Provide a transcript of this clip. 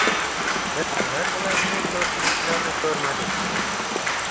Biz ular bilan ne ko‘rguliklarni ko‘rmadik.